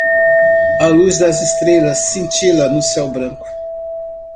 A luz das estrelas cintila no céu branco